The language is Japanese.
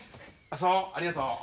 そうありがとう。